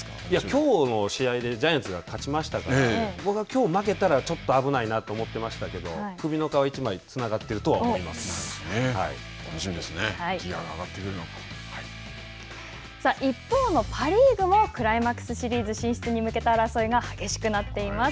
きょうの試合でジャイアンツが勝ちましたから、僕は、きょう負けたら、ちょっと危ないなと思っていましたけど、首の皮一枚つな楽しみですね、ギアが上がってさあ、一方のパ・リーグもクライマックスシリーズ進出に向けた争いが激しくなっています。